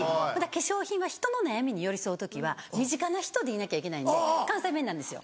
化粧品は人の悩みに寄り添う時は身近な人でいなきゃいけないんで関西弁なんですよ。